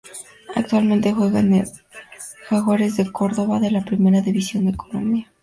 Actualmente juega en el Jaguares de cordoba de la Primera División de Colombia.